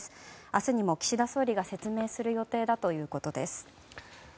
明日にも岸田総理が説明する予定だということです。